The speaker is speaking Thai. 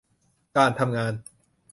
การทำงาน